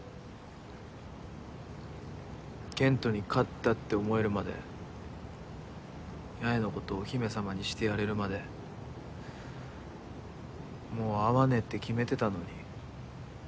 健斗に勝ったって思えるまで八重のことお姫様にしてやれるまでもう会わねぇって決めてたのに。